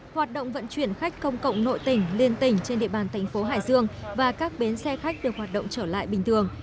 hoạt động vận chuyển khách công cộng nội tỉnh liên tỉnh trên địa bàn thành phố hải dương và các bến xe khách được hoạt động trở lại bình thường